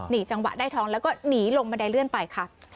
นี่จังหวะได้ทองแล้วก็หนีลงบันไดเลื่อนไปค่ะ